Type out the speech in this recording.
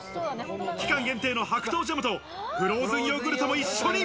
期間限定の白桃ジャムとフローズンヨーグルトも一緒に。